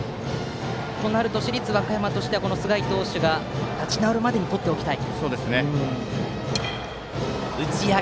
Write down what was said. そうなると市立和歌山としては須貝投手が立ち直るまでに取っておきたい。